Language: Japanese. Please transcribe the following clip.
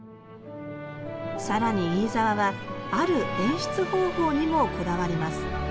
更に飯沢はある演出方法にもこだわります。